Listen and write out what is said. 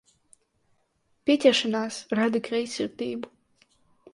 Pieķeršanās rada greizsirdību.